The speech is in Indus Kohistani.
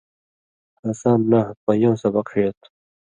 ہسان نحوۡ پنژؤں سبق ݜے تُھو